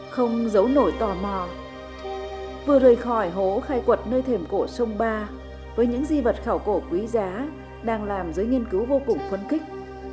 không giấu nổi tò mò vừa rời khỏi hố khai quật nơi thềm cổ sông ba với những di vật khảo cổ quý giá đang làm giới nghiên cứu vô cùng phấn khích